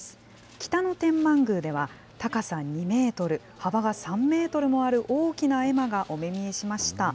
北野天満宮では、高さ２メートル、幅が３メートルもある大きな絵馬がお目見えしました。